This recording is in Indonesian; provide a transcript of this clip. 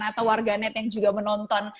atau warganet yang juga menonton